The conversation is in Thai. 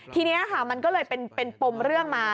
ทีนี้ค่ะมันก็เลยเป็นปมเรื่องมา